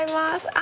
あ！